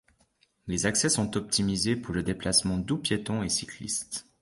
Les accès sont optimisés pour les déplacements doux piétons et cyclistes.